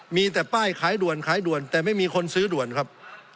มีแต่ป้ายขายด่วนขายด่วนแต่ไม่มีคนซื้อด่วนครับ